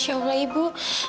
masya allah ibu